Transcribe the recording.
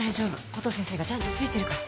コトー先生がちゃんと付いてるから。